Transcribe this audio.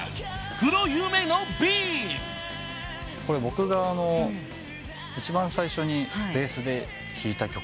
僕が一番最初にベースで弾いた曲なんです。